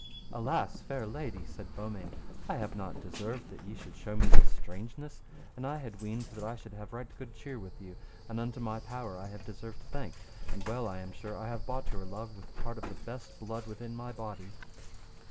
Alas, fair lady, said Beaumains, I have not deserved that ye should show me this strangeness, and I had weened that I should have right good cheer with you, and unto my power I have deserved thank, and well I am sure I have bought your love with part of the best blood within my body.